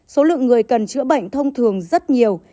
số lượng người cần chữa bệnh thông thường rất nhiều